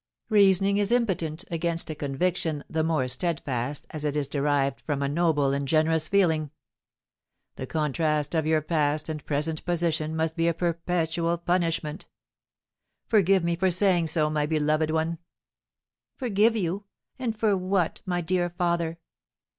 Reasoning is impotent against a conviction the more steadfast as it is derived from a noble and generous feeling. The contrast of your past and present position must be a perpetual punishment; forgive me for saying so, my beloved one!" "Forgive you! And for what, my dear father?"